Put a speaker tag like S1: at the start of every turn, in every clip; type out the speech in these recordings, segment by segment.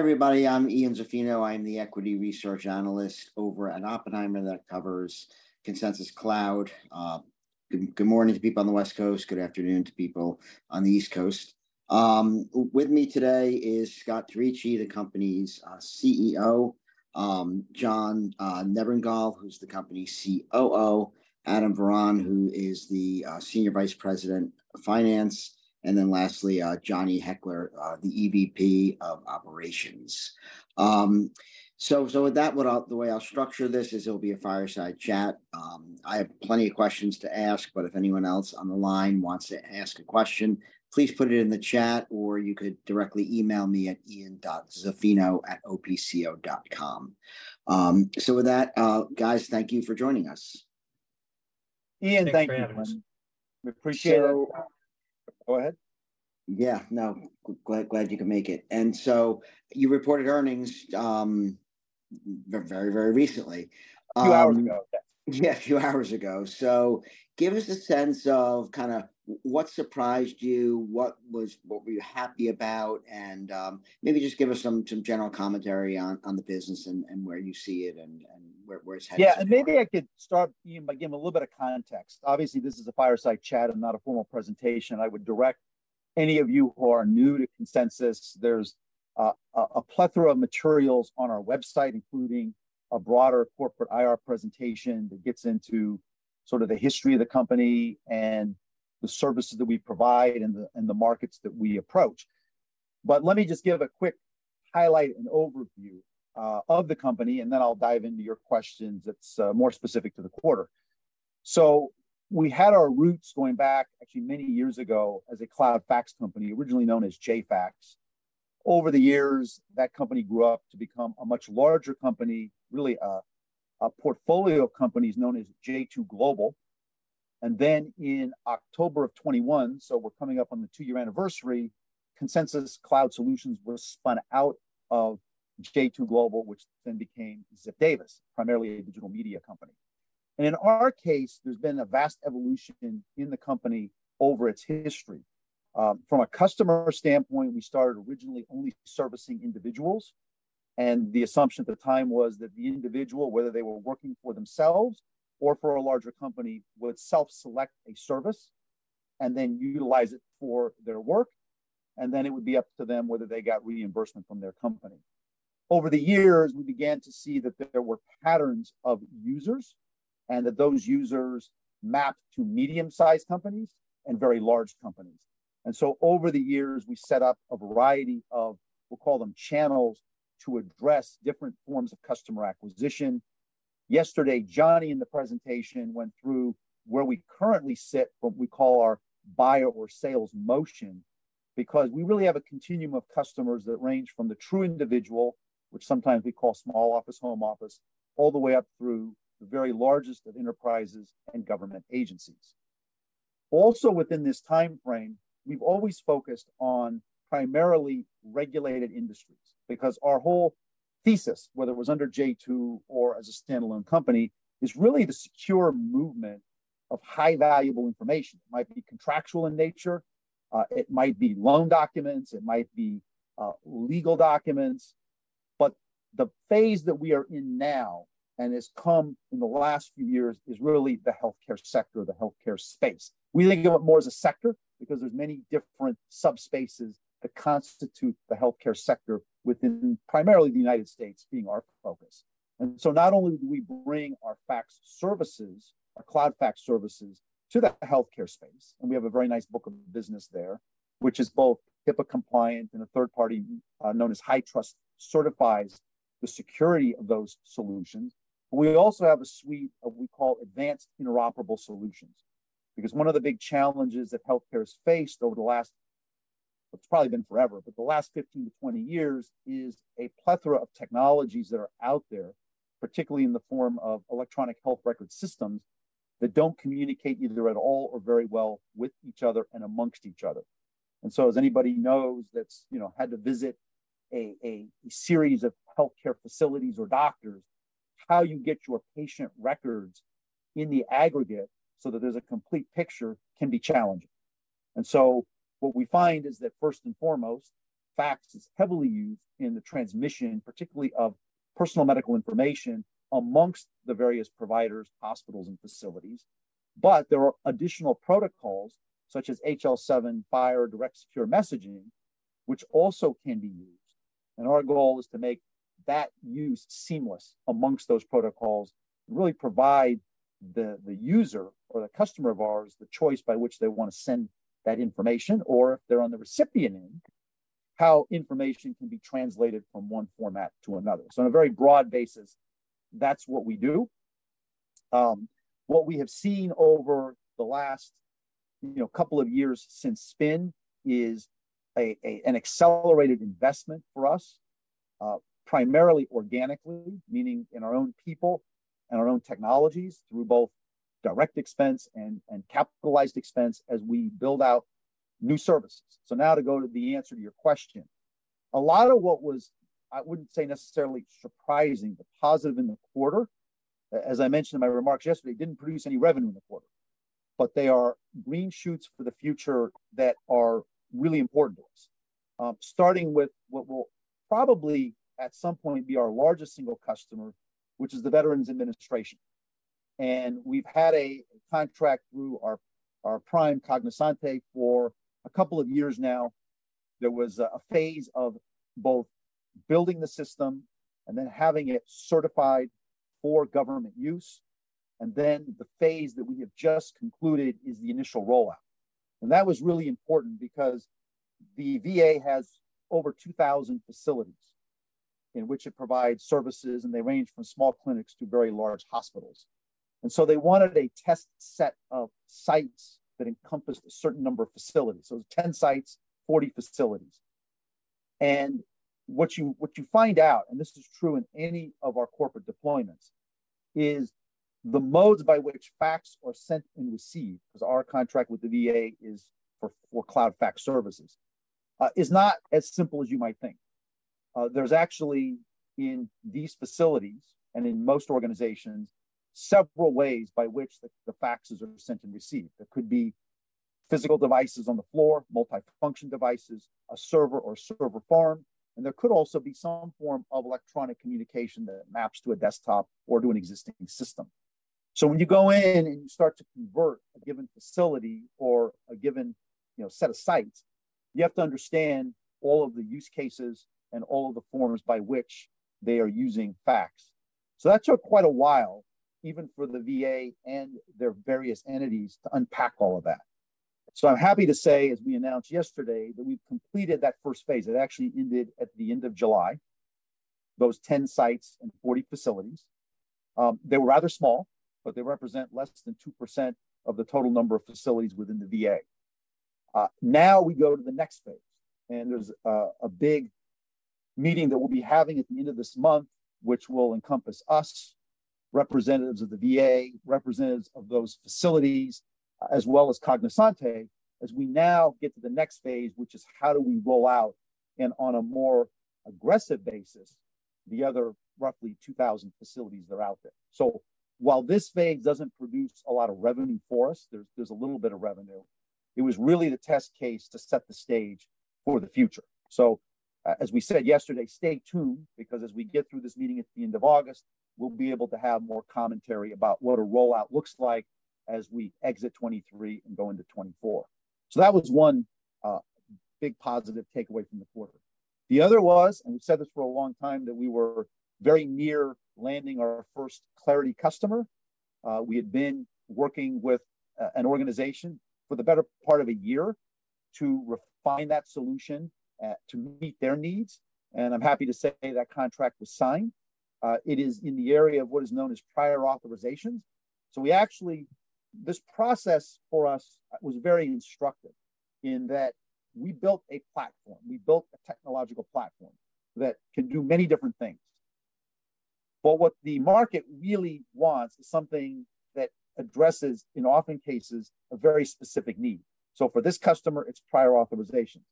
S1: Hi, everybody, I'm Ian Zaffino. I'm the equity research analyst over at Oppenheimer that covers Consensus Cloud. Good morning to people on the West Coast, good afternoon to people on the East Coast. With me today is Scott Turicchi, the company's CEO, John Nebergall, who's the company's COO, Adam Varon, who is the Senior Vice President of Finance, and then lastly, Johnny Hecker, the EVP of Operations. With that, the way I'll structure this is it'll be a fireside chat. I have plenty of questions to ask, but if anyone else on the line wants to ask a question, please put it in the chat, or you could directly email me at ian.zaffino@opco.com. With that, guys, thank you for joining us.
S2: Ian, Thanks for having us. We appreciate it. Go ahead.
S1: Yeah, no, glad, glad you could make it. So you reported earnings, very, very recently.
S2: A few hours ago, yeah.
S1: Yeah, a few hours ago. Give us a sense of kinda what surprised you, what were you happy about, and maybe just give us some general commentary on the business and where you see it and where it's headed tomorrow.
S2: Yeah, maybe I could start, Ian, by giving a little bit of context. Obviously, this is a fireside chat and not a formal presentation. I would direct any of you who are new to Consensus, there's a plethora of materials on our website, including a broader corporate IR presentation that gets into sort of the history of the company and the services that we provide and the markets that we approach. Let me just give a quick highlight and overview of the company, and then I'll dive into your questions that's more specific to the quarter. We had our roots going back actually many years ago as a cloud fax company, originally known as JFax. Over the years, that company grew up to become a much larger company, really, a portfolio of companies known as J2 Global. In October of 2021, so we're coming up on the two-year anniversary, Consensus Cloud Solutions was spun out of J2 Global, which then became Ziff Davis, primarily a digital media company. In our case, there's been a vast evolution in the company over its history. From a customer standpoint, we started originally only servicing individuals, and the assumption at the time was that the individual, whether they were working for themselves or for a larger company, would self-select a service and then utilize it for their work, and then it would be up to them whether they got reimbursement from their company. Over the years, we began to see that there were patterns of users, and that those users mapped to medium-sized companies and very large companies. So over the years, we set up a variety of, we'll call them, channels to address different forms of customer acquisition. Yesterday, Johnny, in the presentation, went through where we currently sit, what we call our buyer or sales motion, because we really have a continuum of customers that range from the true individual, which sometimes we call small office, home office, all the way up through the very largest of enterprises and government agencies. Also within this timeframe, we've always focused on primarily regulated industries, because our whole thesis, whether it was under J2 or as a standalone company, is really the secure movement of high valuable information. It might be contractual in nature, it might be loan documents, it might be legal documents. The phase that we are in now, and has come in the last few years, is really the healthcare sector or the healthcare space. We think of it more as a sector because there's many different subspaces that constitute the healthcare sector within primarily the United States being our focus. Not only do we bring our fax services, our cloud fax services to the healthcare space, and we have a very nice book of business there, which is both HIPAA compliant, and a third party known as HITRUST, certifies the security of those solutions. We also have a suite of we call advanced interoperable solutions, because one of the big challenges that healthcare has faced over the last... It's probably been forever, but the last 15-20 years, is a plethora of technologies that are out there, particularly in the form of electronic health record systems, that don't communicate either at all or very well with each other and amongst each other. So as anybody knows, that's, you know, had to visit a, a, a series of healthcare facilities or doctors, how you get your patient records in the aggregate so that there's a complete picture, can be challenging. So what we find is that, first and foremost, fax is heavily used in the transmission, particularly of personal medical information, amongst the various providers, hospitals, and facilities. There are additional protocols, such as HL7, FHIR, Direct Secure Messaging, which also can be used. Our goal is to make that use seamless amongst those protocols, and really provide the, the user or the customer of ours, the choice by which they want to send that information. If they're on the recipient end, how information can be translated from one format to another. On a very broad basis, that's what we do. What we have seen over the last, you know, couple of years since spin, is an accelerated investment for us, primarily organically, meaning in our own people and our own technologies, through both direct expense and capitalized expense, as we build out new services. Now to go to the answer to your question. A lot of what was, I wouldn't say necessarily surprising, but positive in the quarter, as I mentioned in my remarks yesterday, didn't produce any revenue in the quarter.... But they are green shoots for the future that are really important to us. Starting with what will probably at some point be our largest single customer, which is the Veterans Administration. We've had a contract through our prime, Cognosante, for a couple of years now. There was a, a phase of both building the system and then having it certified for government use, and then the phase that we have just concluded is the initial rollout. That was really important because the VA has over 2,000 facilities in which it provides services, and they range from small clinics to very large hospitals. So they wanted a test set of sites that encompassed a certain number of facilities. So it was 10 sites, 40 facilities. What you find out, and this is true in any of our corporate deployments, is the modes by which fax are sent and received, 'cause our contract with the VA is for, for cloud fax services, is not as simple as you might think. There's actually, in these facilities, and in most organizations, several ways by which the, the faxes are sent and received. There could be physical devices on the floor, multifunction devices, a server or server farm, and there could also be some form of electronic communication that maps to a desktop or to an existing system. When you go in and you start to convert a given facility or a given, you know, set of sites, you have to understand all of the use cases and all of the forms by which they are using fax. That took quite a while, even for the VA and their various entities, to unpack all of that. I'm happy to say, as we announced yesterday, that we've completed that first phase. It actually ended at the end of July, those 10 sites and 40 facilities. They were rather small, but they represent less than 2% of the total number of facilities within the VA. Now we go to the next phase, and there's a big meeting that we'll be having at the end of this month, which will encompass us, representatives of the VA, representatives of those facilities, as well as Cognosante, as we now get to the next phase, which is: how do we roll out, and on a more aggressive basis, the other roughly 2,000 facilities that are out there? While this phase doesn't produce a lot of revenue for us, there's a little bit of revenue, it was really the test case to set the stage for the future. As we said yesterday, stay tuned, because as we get through this meeting at the end of August, we'll be able to have more commentary about what a rollout looks like as we exit 2023 and go into 2024. That was one big positive takeaway from the quarter. The other was, and we've said this for a long time, that we were very near landing our first Clarity customer. We had been working with an organization for the better part of a year to refine that solution to meet their needs, and I'm happy to say that contract was signed. It is in the area of what is known as prior authorizations. We actually. This process, for us, was very instructive, in that we built a platform, we built a technological platform that can do many different things. What the market really wants is something that addresses, in often cases, a very specific need. For this customer, it's prior authorizations.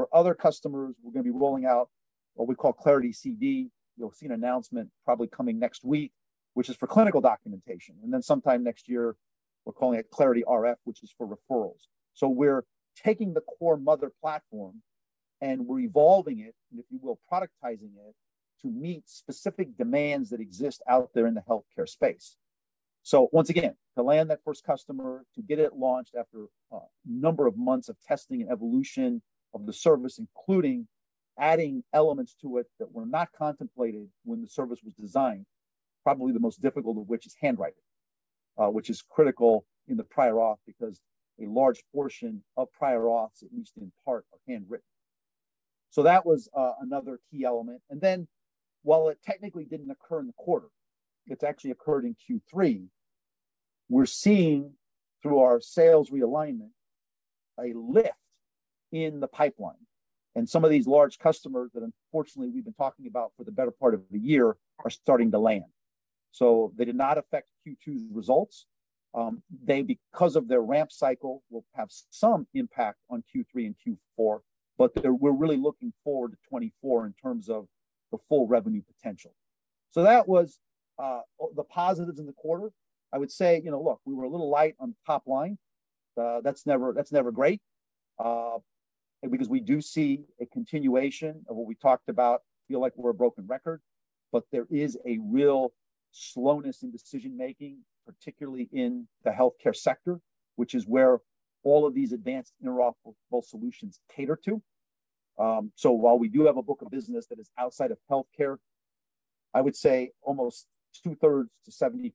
S2: For other customers, we're gonna be rolling out what we call Clarity CD. You'll see an announcement probably coming next week, which is for clinical documentation, and then sometime next year, we're calling it Clarity RF, which is for referrals. We're taking the core mother platform, and we're evolving it, and if you will, productizing it, to meet specific demands that exist out there in the healthcare space. Once again, to land that first customer, to get it launched after a number of months of testing and evolution of the service, including adding elements to it that were not contemplated when the service was designed, probably the most difficult of which is handwriting, which is critical in the prior auth because a large portion of prior auths, at least in part, are handwritten. That was another key element. Then, while it technically didn't occur in the quarter, it's actually occurred in Q3, we're seeing, through our sales realignment, a lift in the pipeline, and some of these large customers that unfortunately we've been talking about for the better part of a year, are starting to land. They did not affect Q2's results. They, because of their ramp cycle, will have some impact on Q3 and Q4, but we're really looking forward to 2024 in terms of the full revenue potential. That was all the positives in the quarter. I would say, you know, look, we were a little light on the top line. That's never great, because we do see a continuation of what we talked about, feel like we're a broken record, but there is a real slowness in decision-making, particularly in the healthcare sector, which is where all of these advanced interoperable solutions cater to. While we do have a book of business that is outside of healthcare, I would say almost two-thirds to 70%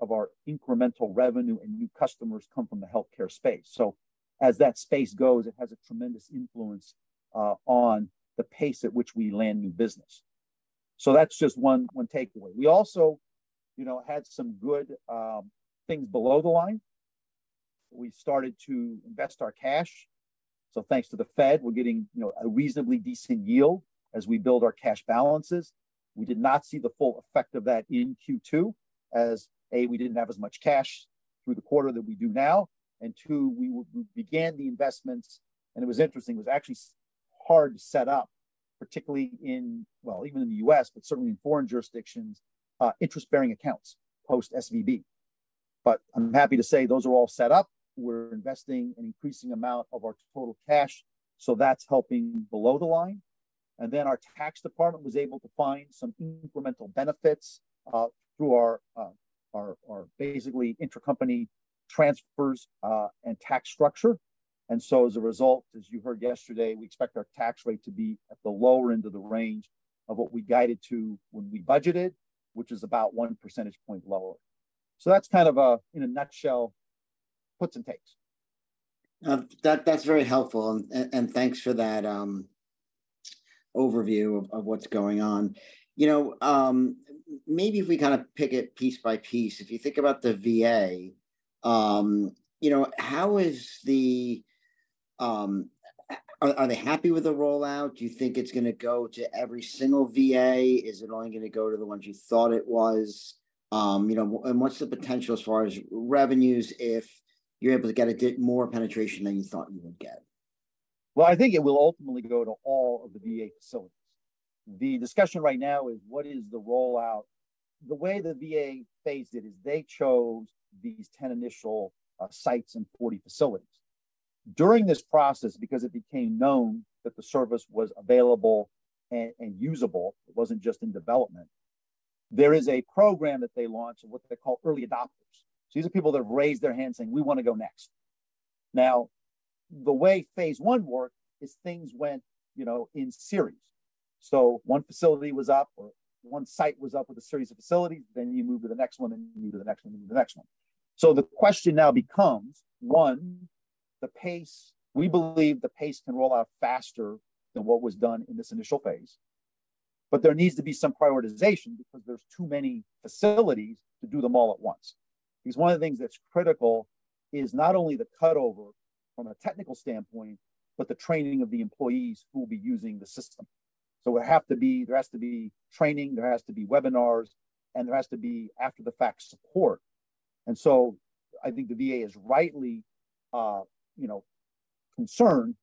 S2: of our incremental revenue and new customers come from the healthcare space. As that space goes, it has a tremendous influence on the pace at which we land new business. That's just one takeaway. We also, you know, had some good things below the line. We started to invest our cash, thanks to the Fed, we're getting, you know, a reasonably decent yield as we build our cash balances. We did not see the full effect of that in Q2, as we didn't have as much cash through the quarter that we do now, and two, we began the investments. It was interesting, it was actually hard to set up particularly in, well, even in the U.S., but certainly in foreign jurisdictions, interest-bearing accounts post-SVB. I'm happy to say those are all set up. We're investing an increasing amount of our total cash, that's helping below the line. Then our tax department was able to find some incremental benefits, through our basically intercompany transfers, and tax structure. As a result, as you heard yesterday, we expect our tax rate to be at the lower end of the range of what we guided to when we budgeted, which is about 1% point lower. That's kind of a, in a nutshell, puts and takes.
S1: That, that's very helpful, and thanks for that overview of what's going on. You know, maybe if we kind of pick it piece by piece, if you think about the VA, you know, how is the... Are they happy with the rollout? Do you think it's going to go to every single VA? Is it only going to go to the ones you thought it was? You know, and what's the potential as far as revenues if you're able to get more penetration than you thought you would get?
S2: Well, I think it will ultimately go to all of the VA facilities. The discussion right now is what is the rollout? The way the VA phased it is they chose these 10 initial sites and 40 facilities. During this process, because it became known that the service was available and usable, it wasn't just in development, there is a program that they launched and what they call early adopters. These are people that have raised their hands saying, "We want to go next." Now, the way phase I worked is things went, you know, in series. One facility was up, or one site was up with a series of facilities, then you move to the next one, and you move to the next one, and move to the next one. The question now becomes, one, the pace. We believe the pace can roll out faster than what was done in this initial phase, but there needs to be some prioritization because there's too many facilities to do them all at once. Because one of the things that's critical is not only the cut-over from a technical standpoint, but the training of the employees who will be using the system. There has to be training, there has to be webinars, and there has to be after-the-fact support. I think the VA is rightly, you know, concerned,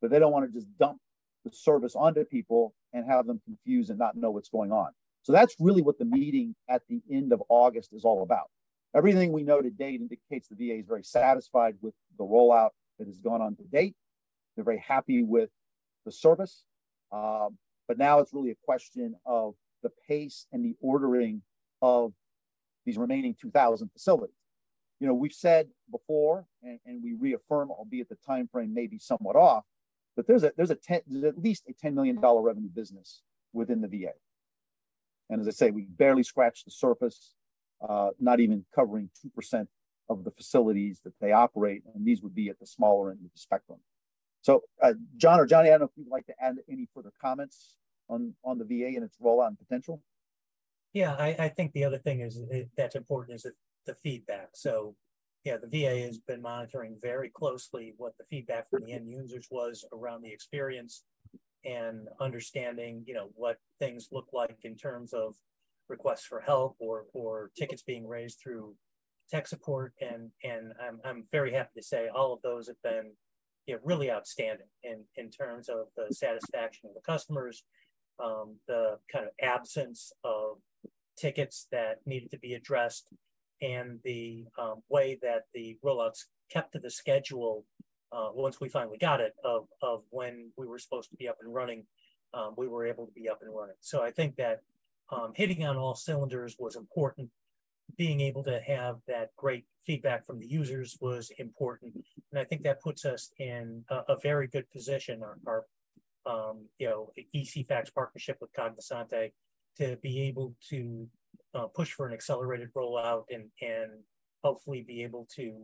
S2: but they don't want to just dump the service onto people and have them confused and not know what's going on. That's really what the meeting at the end of August is all about. Everything we know to date indicates the VA is very satisfied with the rollout that has gone on to date. They're very happy with the service. Now it's really a question of the pace and the ordering of these remaining 2,000 facilities. You know, we've said before, we reaffirm, albeit the timeframe may be somewhat off, there's at least a $10 million revenue business within the VA. As I say, we barely scratched the surface, not even covering 2% of the facilities that they operate, and these would be at the smaller end of the spectrum. John or Johnny, I don't know if you'd like to add any further comments on, on the VA and its rollout and potential?
S3: Yeah, I, I think the other thing is that, that's important is the, the feedback. Yeah, the VA has been monitoring very closely what the feedback from the end users was around the experience and understanding, you know, what things look like in terms of requests for help or tickets being raised through tech support. And I'm very happy to say all of those have been, yeah, really outstanding in terms of the satisfaction of the customers, the kind of absence of tickets that needed to be addressed, and the way that the rollouts kept to the schedule, once we finally got it, of when we were supposed to be up and running, we were able to be up and running. I think that hitting on all cylinders was important. Being able to have that great feedback from the users was important, and I think that puts us in a very good position, our, you know, ECFax partnership with Cognosante, to be able to push for an accelerated rollout and hopefully be able to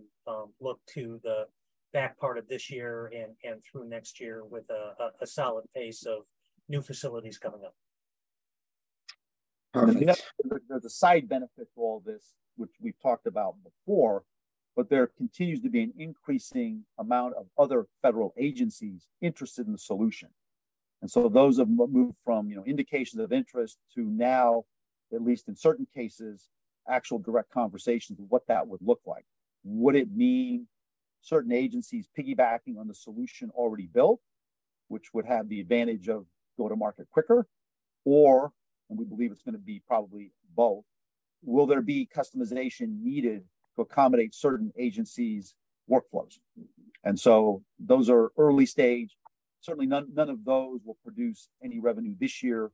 S3: look to the back part of this year and through next year with a solid pace of new facilities coming up.
S2: There's a side benefit to all this, which we've talked about before. There continues to be an increasing amount of other federal agencies interested in the solution. Those have moved from, you know, indications of interest to now, at least in certain cases, actual direct conversations of what that would look like. Would it mean certain agencies piggybacking on the solution already built, which would have the advantage of go to market quicker? And we believe it's going to be probably both, will there be customization needed to accommodate certain agencies' workflows? Those are early stage. Certainly none of those will produce any revenue this year,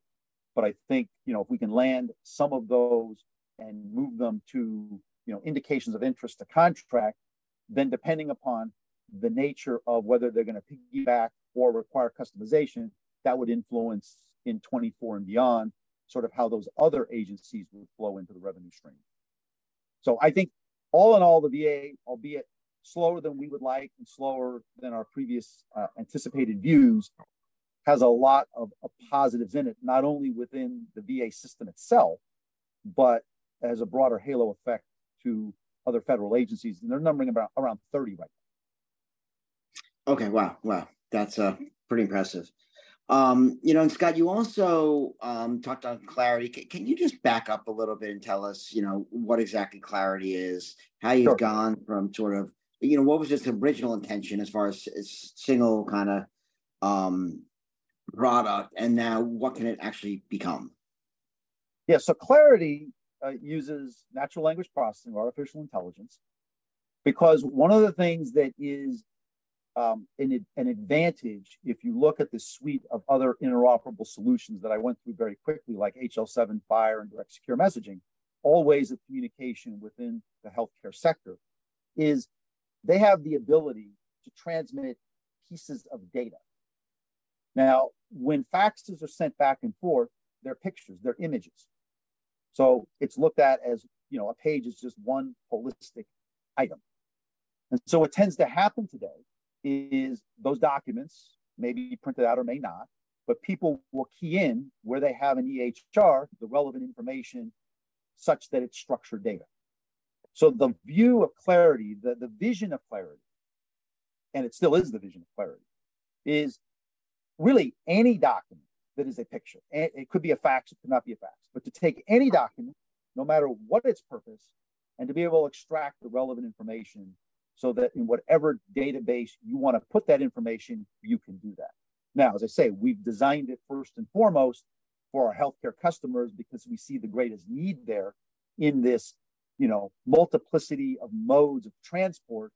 S2: but I think, you know, if we can land some of those and move them to, you know, indications of interest to contract, then depending upon the nature of whether they're going to piggyback or require customization, that would influence in 2024 and beyond sort of how those other agencies would flow into the revenue stream. I think all in all, the VA, albeit slower than we would like and slower than our previous anticipated views, has a lot of positives in it, not only within the VA system itself, but as a broader halo effect to other federal agencies, and they're numbering about around 30 right now.
S1: Okay. Wow, wow, that's pretty impressive. You know, and Scott, you also talked on Clarity. Can you just back up a little bit and tell us, you know, what exactly Clarity is?
S2: Sure.
S1: How you've gone from sort of, you know, what was its original intention as far as, as single kind of, product, and now what can it actually become?
S2: Yeah, so Clarity uses natural language processing or artificial intelligence, because one of the things that is an advantage, if you look at the suite of other interoperable solutions that I went through very quickly, like HL7, FHIR, and Direct Secure Messaging, all ways of communication within the healthcare sector, is they have the ability to transmit pieces of data. Now, when faxes are sent back and forth, they're pictures, they're images, so it's looked at as, you know, a page is just one holistic item. What tends to happen today is those documents may be printed out or may not, but people will key in where they have an EHR, the relevant information, such that it's structured data. The view of Clarity, the vision of Clarity, and it still is the vision of Clarity, is really any document that is a picture. It could be a fax, it could not be a fax. To take any document, no matter what its purpose, and to be able to extract the relevant information, so that in whatever database you want to put that information, you can do that. As I say, we've designed it first and foremost for our healthcare customers, because we see the greatest need there in this, you know, multiplicity of modes of transport,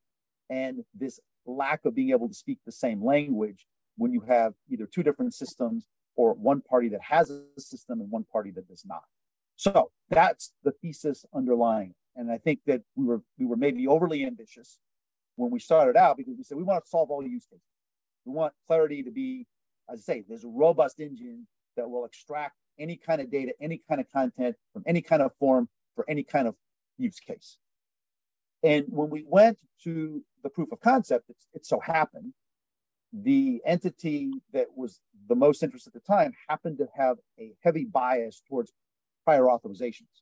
S2: and this lack of being able to speak the same language when you have either two different systems or one party that has a system and one party that does not. That's the thesis underlying, and I think that we were, we were maybe overly ambitious when we started out, because we said, "We want to solve all use cases. We want Clarity to be..." I say, "There's a robust engine that will extract any kind of data, any kind of content, from any kind of form, for any kind of use case." When we went to the proof of concept, it, it so happened, the entity that was the most interested at the time happened to have a heavy bias towards prior authorizations.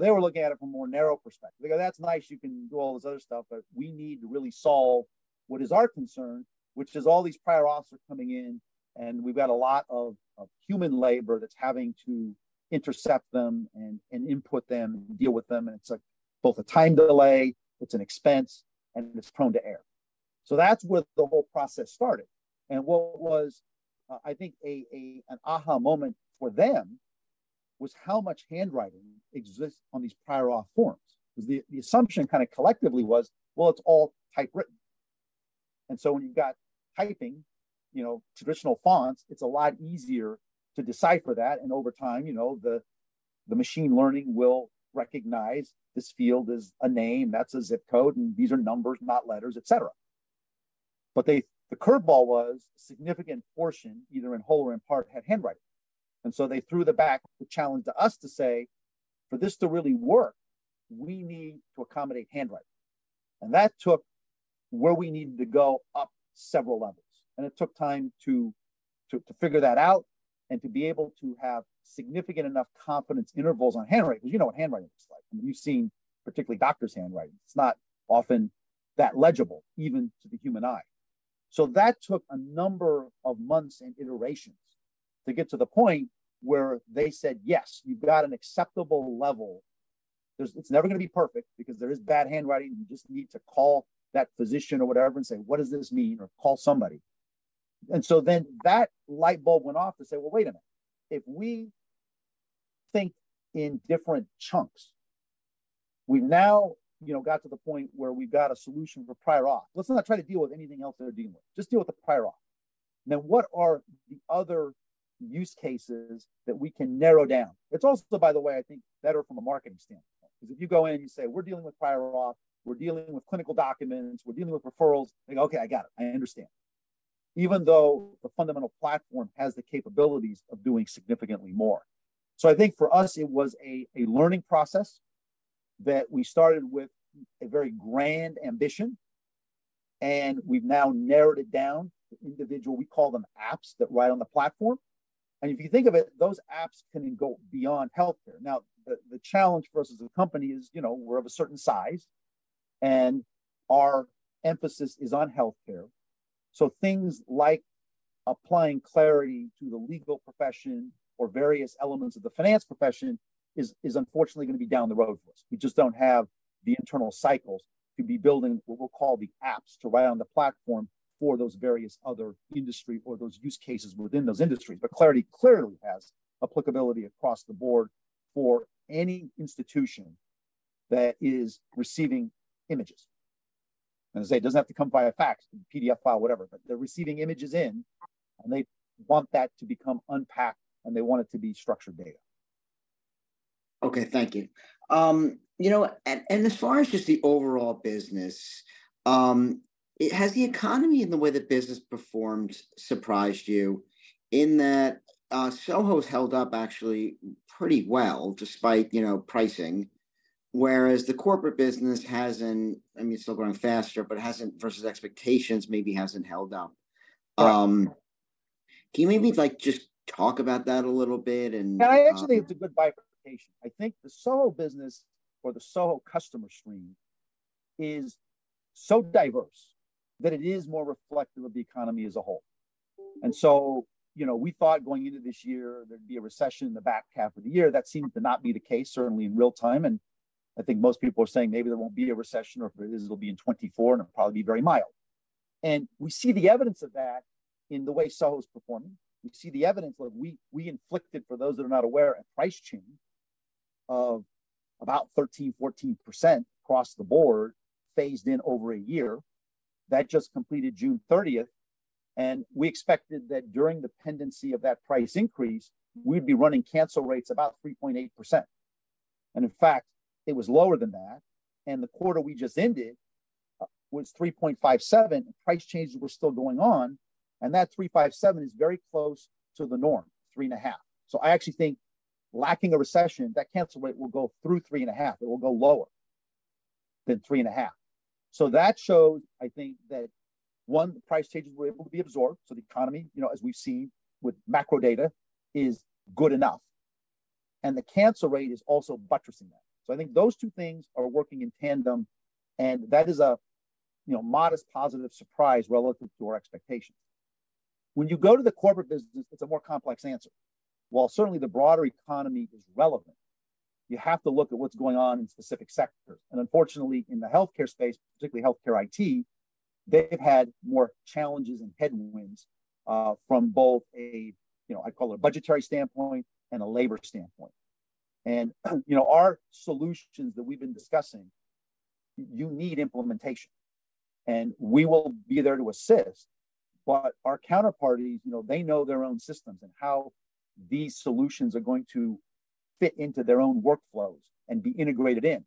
S2: They were looking at it from a more narrow perspective. They go, "That's nice". You can do all this other stuff, but we need to really solve what is our concern, which is all these prior auths are coming in, and we've got a lot of human labor that's having to intercept them, and, and input them, and deal with them, and it's a, both a time delay, it's an expense, and it's prone to error. That's where the whole process started. What was, I think, a, a, an aha moment for them, was how much handwriting exists on these prior auth forms. Because the, the assumption kind of collectively was, well, it's all typewritten. When you've got typing, you know, traditional fonts, it's a lot easier to decipher that, and over time, you know, the machine learning will recognize this field is a name, that's a zip code, and these are numbers, not letters, et cetera. They... The curveball was, a significant portion, either in whole or in part, had handwriting. They threw it back, the challenge to us to say, "For this to really work, we need to accommodate handwriting." That took where we needed to go up several levels, and it took time to figure that out, and to be able to have significant enough confidence intervals on handwriting. You know what handwriting looks like, and you've seen particularly doctor's handwriting. It's not often that legible, even to the human eye. That took a number of months and iterations to get to the point where they said, "Yes, you've got an acceptable level." It's never gonna be perfect, because there is bad handwriting, and you just need to call that physician or whatever and say, "What does this mean?" Or call somebody. That light bulb went off to say, well, wait a minute, if we think in different chunks, we've now, you know, got to the point where we've got a solution for prior auth. Let's not try to deal with anything else they're dealing with. Just deal with the prior auth. What are the other use cases that we can narrow down? It's also, by the way, I think, better from a marketing standpoint, because if you go in and you say, "We're dealing with prior auth, we're dealing with clinical documents, we're dealing with referrals," they go, "Okay, I got it. I understand," even though the fundamental platform has the capabilities of doing significantly more. I think for us it was a learning process that we started with a very grand ambition, and we've now narrowed it down to individual, we call them apps, that ride on the platform. If you think of it, those apps can then go beyond healthcare. The challenge for us as a company is, you know, we're of a certain size, and our emphasis is on healthcare. Things like applying Clarity to the legal profession or various elements of the finance profession is unfortunately gonna be down the road for us. We just don't have the internal cycles to be building what we'll call the apps, to ride on the platform for those various other industry or those use cases within those industries. Clarity clearly has applicability across the board for any institution that is receiving images. As I say, it doesn't have to come via fax, PDF file, whatever, but they're receiving images in, and they want that to become unpacked, and they want it to be structured data.
S1: Okay, thank you. you know, and as far as just the overall business, has the economy and the way that business performed surprised you in that, SOHO's held up actually pretty well, despite, you know, pricing, whereas the corporate business hasn't... I mean, it's still growing faster, but hasn't, versus expectations, maybe hasn't held up?
S2: Right.
S1: Can you maybe, like, just talk about that a little bit and?
S2: I actually think it's a good bifurcation. I think the SOHO business or the SOHO customer stream is so diverse that it is more reflective of the economy as a whole. You know, we thought going into this year there'd be a recession in the back half of the year. That seems to not be the case, certainly in real time, and I think most people are saying maybe there won't be a recession, or if it is, it'll be in 2024, and it'll probably be very mild. We see the evidence of that in the way SOHO's performing. We see the evidence that we inflicted, for those that are not aware, a price change of about 13%-14% across the board, phased in over a year. That just completed June 30th, we expected that during the pendency of that price increase, we'd be running cancel rates about 3.8%. In fact, it was lower than that, and the quarter we just ended was 3.57. Price changes were still going on, that 3.57 is very close to the norm, 3.5. I actually think, lacking a recession, that cancel rate will go through 3.5. It will go lower than 3.5. That shows, I think, that, one, the price changes were able to be absorbed, the economy, you know, as we've seen with macro data, is good enough, the cancel rate is also buttressing that. I think those two things are working in tandem, and that is a, you know, modest positive surprise relative to our expectations. When you go to the corporate business, it's a more complex answer. While certainly the broader economy is relevant, you have to look at what's going on in specific sectors, unfortunately, in the healthcare space, particularly healthcare IT, they've had more challenges and headwinds from both a, you know, I'd call it a budgetary standpoint and a labor standpoint. You know, our solutions that we've been discussing, you need implementation, and we will be there to assist. Our counterparties, you know, they know their own systems and how these solutions are going to fit into their own workflows and be integrated in.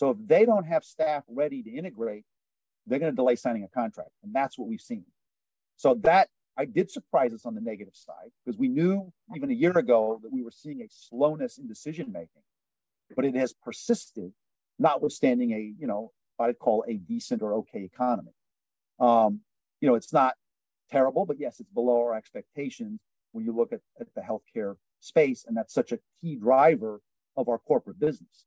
S2: If they don't have staff ready to integrate, they're gonna delay signing a contract, and that's what we've seen. That, it did surprise us on the negative side, 'cause we knew even a year ago that we were seeing a slowness in decision-making, but it has persisted, notwithstanding a, you know, what I'd call a decent or okay economy. You know, it's not terrible, but yes, it's below our expectations when you look at, at the healthcare space, and that's such a key driver of our corporate business.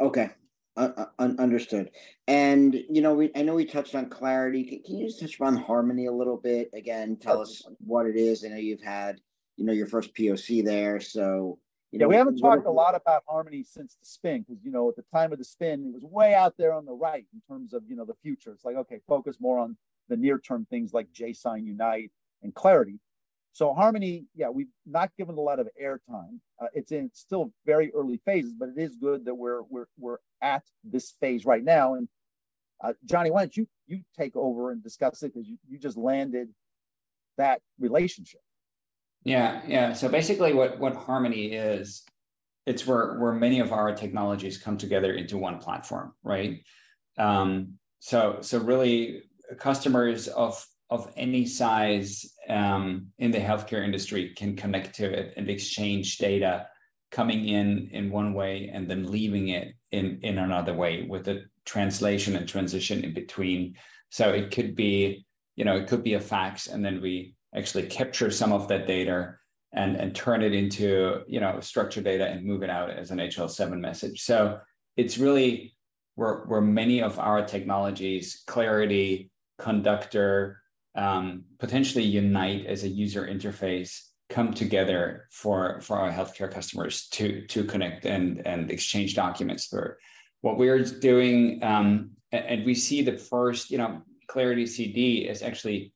S1: Okay, understood. you know, I know we touched on Clarity. Can you just touch on Harmony a little bit? Again, tell us what it is. I know you've had, you know, your first POC there, so, you know, what...
S2: We haven't talked a lot about Harmony since the spin, 'cause, you know, at the time of the spin, it was way out there on the right in terms of, you know, the future. It's like, okay, focus more on the near-term things like jSign, Unite, and Clarity. Harmony, yeah, we've not given a lot of airtime. It's in still very early phases, but it is good that we're at this phase right now. Johnny, why don't you take over and discuss it, 'cause you, you just landed that relationship.
S4: Yeah. Yeah, basically what, what Harmony is, it's where, where many of our technologies come together into one platform, right? Really, customers of any size, in the healthcare industry can connect to it and exchange data coming in in one way, and then leaving it in, in another way, with a translation and transition in between. It could be, you know, it could be a fax, and then we actually capture some of that data, and turn it into, you know, structured data and move it out as an HL7 message. It's really where, where many of our technologies, Clarity, Conductor, potentially Unite as a user interface, come together for our healthcare customers to connect and exchange documents for... What we're doing, and we see the first, you know, Clarity CD is actually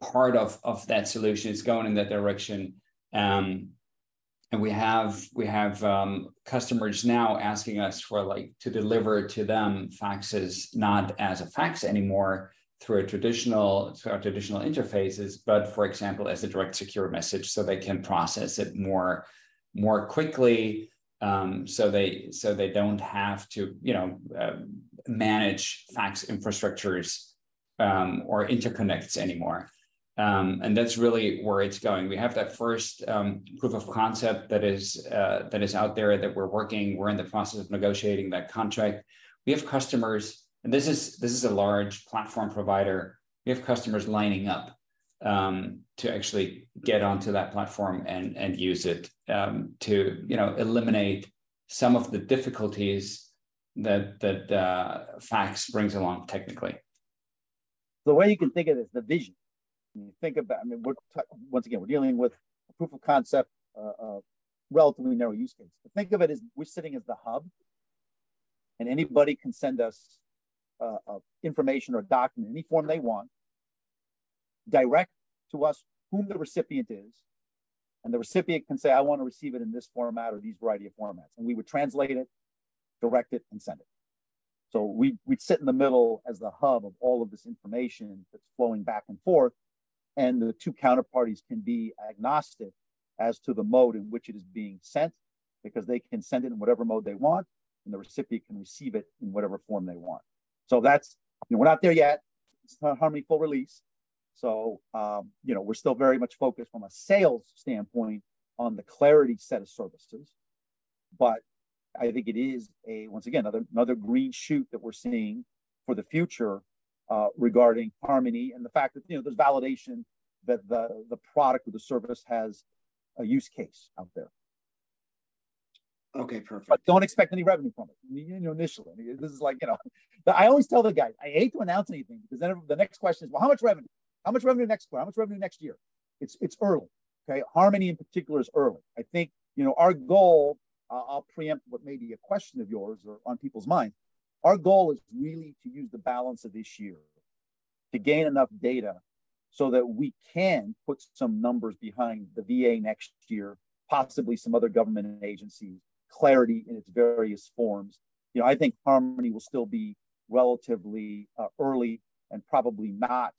S4: part of that solution. It's going in that direction. We have, we have customers now asking us for like, to deliver to them faxes, not as a fax anymore through a traditional, through our traditional interfaces, but for example, as a Direct Secure Message so they can process it more quickly, so they don't have to, you know, manage fax infrastructures or interconnects anymore. That's really where it's going. We have that first proof of concept that is out there, that we're working. We're in the process of negotiating that contract. We have customers, and this is, this is a large platform provider. We have customers lining up to actually get onto that platform and use it to, you know, eliminate some of the difficulties that, that fax brings along technically.
S2: The way you can think of it is the vision. When you think about... I mean, we're once again, we're dealing with a proof of concept, relatively. Think of it as we're sitting as the hub, and anybody can send us information or document, any form they want, direct to us, whom the recipient is, and the recipient can say: "I want to receive it in this format or these variety of formats," and we would translate it, direct it, and send it. We, we'd sit in the middle as the hub of all of this information that's flowing back and forth, and the two counterparties can be agnostic as to the mode in which it is being sent, because they can send it in whatever mode they want, and the recipient can receive it in whatever form they want. That's... You know, we're not there yet. It's not Harmony full release. So, you know, we're still very much focused from a sales standpoint on the Clarity set of services, but I think it is a, once again, another green shoot that we're seeing for the future, regarding Harmony and the fact that, you know, there's validation that the product or the service has a use case out there.
S1: Okay, perfect.
S2: Don't expect any revenue from it, you know, initially. This is like, you know, I always tell the guys, "I hate to announce anything, because then the next question is, 'Well, how much revenue? How much revenue next quarter? How much revenue next year?" It's early, okay? Harmony in particular is early. I think, you know, our goal, I'll preempt what may be a question of yours or on people's mind, our goal is really to use the balance of this year to gain enough data so that we can put some numbers behind the VA next year, possibly some other government agencies, Clarity in its various forms. You know, I think Harmony will still be relatively early and probably not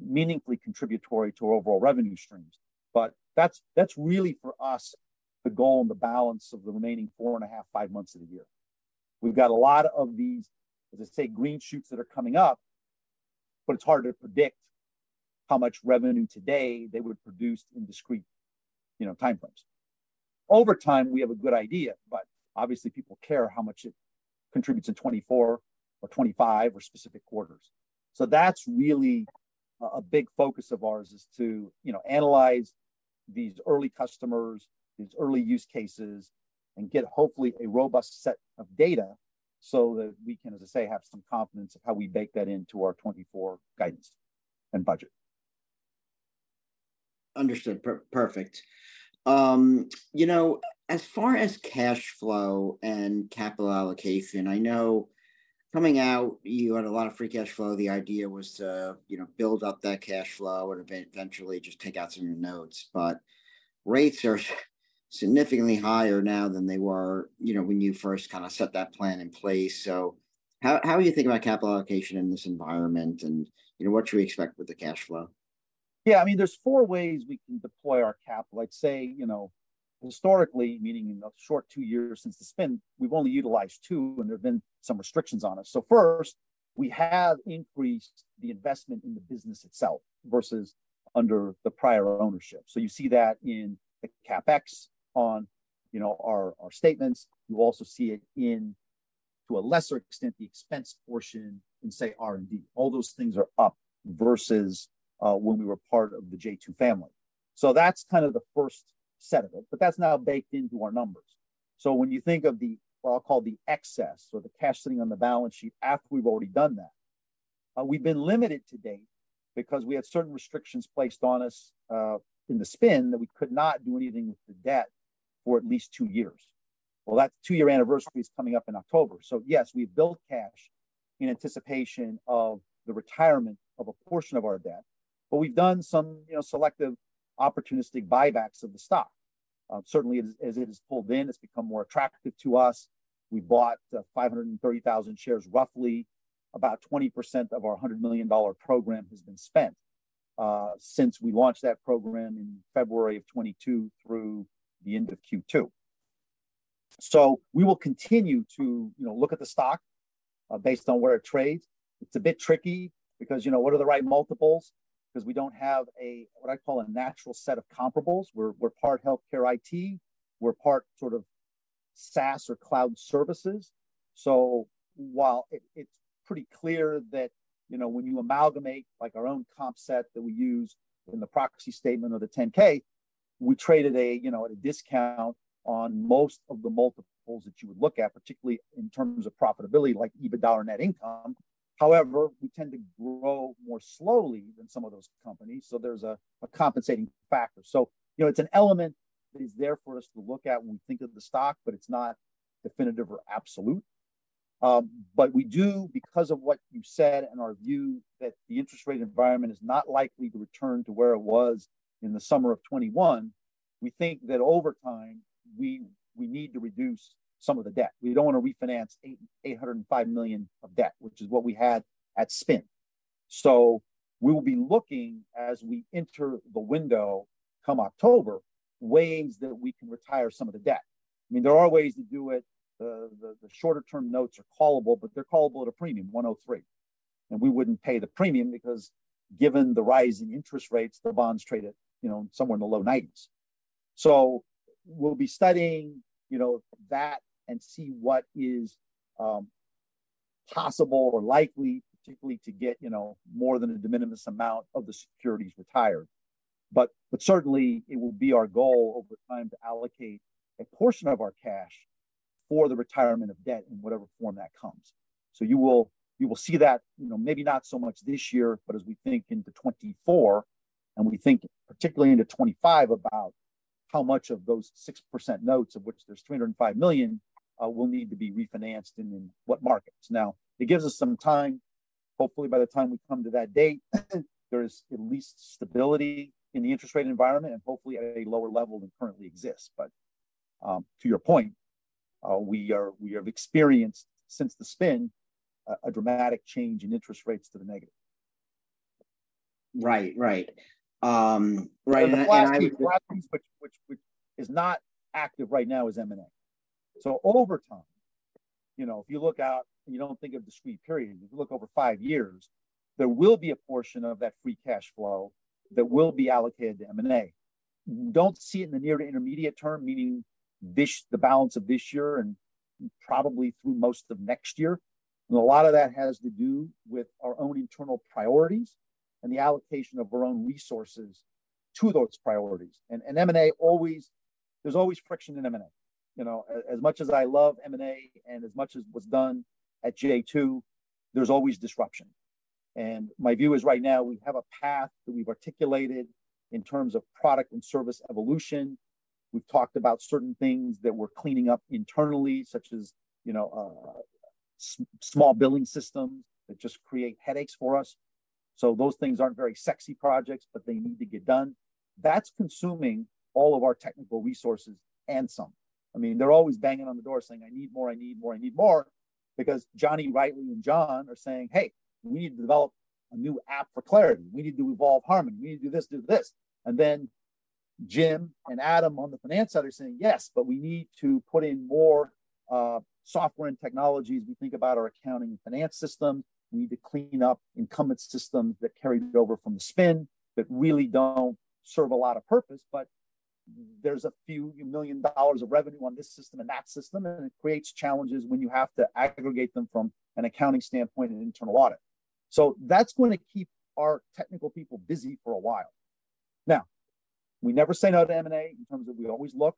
S2: meaningfully contributory to our overall revenue streams. That's, that's really, for us, the goal and the balance of the remaining four and a half, five months of the year. We've got a lot of these, as I say, green shoots that are coming up, but it's hard to predict how much revenue today they would produce in discrete, you know, timeframes. Over time, we have a good idea, but obviously, people care how much it contributes in 2024 or 2025, or specific quarters. So that's really a, a big focus of ours, is to, you know, analyze these early customers, these early use cases, and get hopefully a robust set of data so that we can, as I say, have some confidence of how we bake that into our 2024 guidance and budget.
S1: Understood, perfect. You know, as far as cash flow and capital allocation, I know coming out you had a lot of free cash flow. The idea was to, you know, build up that cash flow and eventually just take out some of your notes. Rates are significantly higher now than they were, you know, when you first kinda set that plan in place. How, how are you thinking about capital allocation in this environment? You know, what should we expect with the cash flow?
S2: Yeah, I mean, there's four ways we can deploy our capital. Let's say, you know, historically, meaning in the short two years since the spin, we've only utilized two, and there have been some restrictions on us. First, we have increased the investment in the business itself versus under the prior ownership. You see that in the CapEx on, you know, our, our statements. You also see it in, to a lesser extent, the expense portion in, say R&D. All those things are up versus, when we were part of the J2 family. That's kind of the first set of it, but that's now baked into our numbers. When you think of the, what I'll call the excess or the cash sitting on the balance sheet after we've already done that, we've been limited to date because we had certain restrictions placed on us in the spin, that we could not do anything with the debt for at least two years. Well, that two-year anniversary is coming up in October. Yes, we've built cash in anticipation of the retirement of a portion of our debt, but we've done some, you know, selective, opportunistic buybacks of the stock. Certainly, as, as it has pulled in, it's become more attractive to us. We bought 530,000 shares. Roughly about 20% of our $100 million program has been spent since we launched that program in February of 2022, through the end of Q2. We will continue to, you know, look at the stock, based on where it trades. It's a bit tricky because, you know, what are the right multiples? 'Cause we don't have a, what I call a natural set of comparables. We're, we're part healthcare IT, we're part sort of SaaS or cloud services. While it, it's pretty clear that, you know, when you amalgamate, like, our own comp set that we use in the proxy statement of the 10-K, we traded a, you know, at a discount on most of the multiples that you would look at, particularly in terms of profitability, like EBITDA or net income. However, we tend to grow more slowly than some of those companies, so there's a, a compensating factor. You know, it's an element that is there for us to look at when we think of the stock, but it's not definitive or absolute. We do, because of what you said and our view that the interest rate environment is not likely to return to where it was in the summer of 2021, we think that over time, we, we need to reduce some of the debt. We don't want to refinance $805 million of debt, which is what we had at spin. We will be looking, as we enter the window come October, ways that we can retire some of the debt. I mean, there are ways to do it. The shorter-term notes are callable, but they're callable at a premium, 103, and we wouldn't pay the premium because given the rise in interest rates, the bonds trade at, you know, somewhere in the low nineties. We'll be studying, you know, that and see what is possible or likely, particularly to get, you know, more than a de minimis amount of the securities retired. Certainly, it will be our goal over time to allocate a portion of our cash for the retirement of debt in whatever form that comes. You will, you will see that, you know, maybe not so much this year, but as we think into 2024, and we think particularly into 2025, about how much of those 6% Notes, of which there's $305 million, will need to be refinanced and in what markets. It gives us some time. Hopefully, by the time we come to that date, there's at least stability in the interest rate environment and hopefully at a lower level than currently exists. To your point, we have experienced, since the spin, a dramatic change in interest rates to the negative.
S1: Right. Right. Right, and
S2: The last piece, which is not active right now, is M&A. Over time, you know, if you look out and you don't think of discrete period, and you look over five years, there will be a portion of that free cash flow that will be allocated to M&A. Don't see it in the near to intermediate term, meaning this, the balance of this year and probably through most of next year, and a lot of that has to do with our own internal priorities and the allocation of our own resources to those priorities. M&A, there's always friction in M&A. You know, as much as I love M&A and as much as was done at J2, there's always disruption. My view is right now, we have a path that we've articulated in terms of product and service evolution. We've talked about certain things that we're cleaning up internally, such as, you know, small billing systems that just create headaches for us. Those things aren't very sexy projects, but they need to get done. That's consuming all of our technical resources and some. I mean, they're always banging on the door saying, "I need more, I need more, I need more," because Johnny, Riley, and John are saying, "Hey, we need to develop a new app for Clarity. We need to evolve Harmony. We need to do this, do this." Then Jim and Adam on the finance side are saying, "Yes, but we need to put in more software and technologies." We think about our accounting and finance system. We need to clean up incumbent systems that carried over from the spin, that really don't serve a lot of purpose, but there's a few million dollars of revenue on this system and that system. It creates challenges when you have to aggregate them from an accounting standpoint and internal audit. That's going to keep our technical people busy for a while. We never say no to M&A in terms of we always look.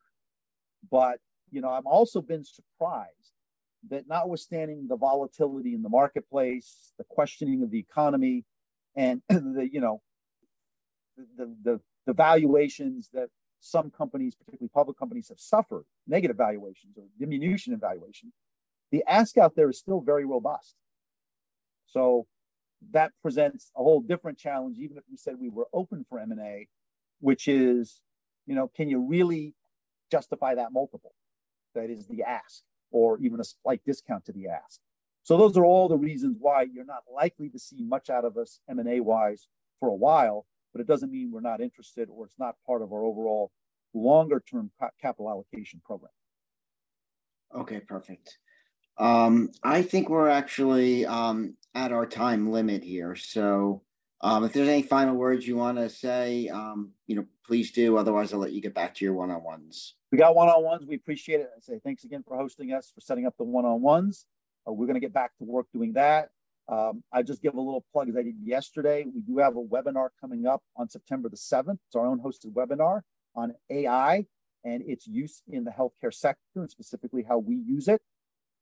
S2: You know, I've also been surprised that not withstanding the volatility in the marketplace, the questioning of the economy and the, you know, the valuations that some companies, particularly public companies, have suffered, negative valuations or diminution in valuation, the ask out there is still very robust. That presents a whole different challenge, even if we said we were open for M&A, which is, you know, can you really justify that multiple? That is the ask, or even a slight discount to the ask. Those are all the reasons why you're not likely to see much out of us M&A-wise for a while, but it doesn't mean we're not interested or it's not part of our overall longer-term capital allocation program.
S1: Okay, perfect. I think we're actually at our time limit here, so if there's any final words you want to say, you know, please do, otherwise, I'll let you get back to your one-on-ones.
S2: We got one-on-ones. We appreciate it, and say thanks again for hosting us, for setting up the one-on-ones. We're going to get back to work doing that. I'll just give a little plug as I did yesterday. We do have a webinar coming up on September 7th. It's our own hosted webinar on AI and its use in the healthcare sector, and specifically how we use it.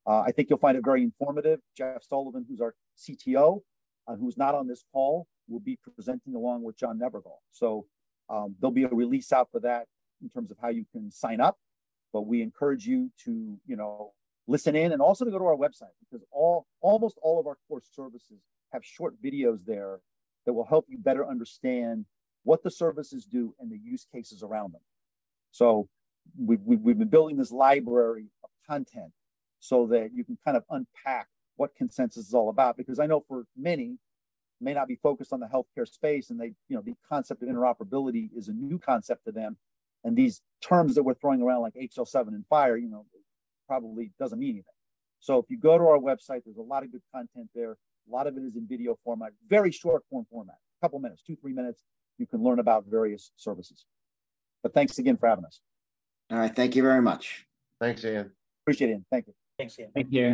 S2: I think you'll find it very informative. Jeff Sullivan, who's our CTO, and who's not on this call, will be presenting along with John Nebergall. There will be a release out for that in terms of how you can sign up, but we encourage you to, you know, listen in and also to go to our website, because almost all of our core services have short videos there that will help you better understand what the services do and the use cases around them. We've been building this library of content so that you can kind of unpack what Consensus is all about, because I know for many, may not be focused on the healthcare space, and they. You know, the concept of interoperability is a new concept to them, and these terms that we're throwing around, like HL7 and FHIR, you know, probably doesn't mean anything. If you go to our website, there's a lot of good content there. A lot of it is in video format, very short-form format. A couple of minutes, two, three minutes, you can learn about various services. Thanks again for having us.
S1: All right. Thank you very much. Thanks, Ian.
S2: Appreciate, Ian. Thank you.
S1: Thanks, Ian.
S5: Thank you, Ian.